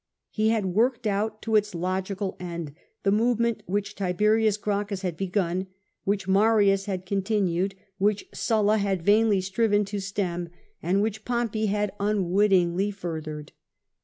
He had worked out to its logical end the movement which Tiberius Gracchus had begun, which Marius had continued, which Sulla had vainly striven to stem, and which Pompey had unwittingly furthered.